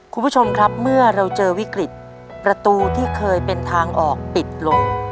คุณผู้ชมครับเมื่อเราเจอวิกฤตประตูที่เคยเป็นทางออกปิดลง